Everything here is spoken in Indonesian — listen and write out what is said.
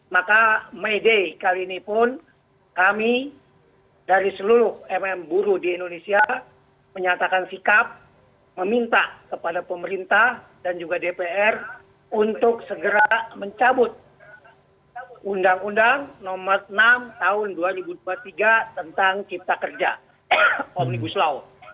maka mei day kali ini pun kami dari seluruh mm buruh di indonesia menyatakan sikap meminta kepada pemerintah dan juga dpr untuk segera mencabut undang undang nomor enam tahun dua ribu dua puluh tiga tentang kita kerja omnibus law